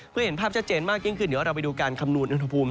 เพื่อเห็นภาพชัดเจนมากยิ่งขึ้นเดี๋ยวเราไปดูการคำนวณอุณหภูมิ